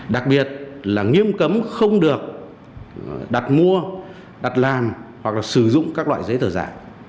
đặc biệt là nghiêm cấm không được đặt mua đặt làm hoặc là sử dụng các loại giấy tờ giả